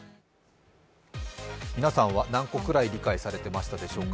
皆さんは何個くらい理解されていましたでしょうか。